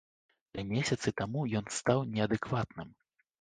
Тры месяцы таму ён стаў неадэкватным.